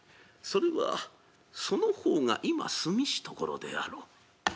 それはその方が今住みし所であろう。